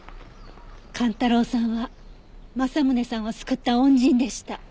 寛太郎さんは政宗さんを救った恩人でした。